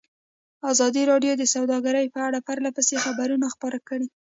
ازادي راډیو د سوداګري په اړه پرله پسې خبرونه خپاره کړي.